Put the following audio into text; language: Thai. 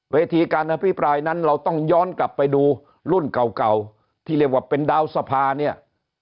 เวทีการอภิปรายนั้นเราต้องย้อนกลับไปดูรุ่นเก่าที่เรียกว่าเป็นดาวสภาเนี่ย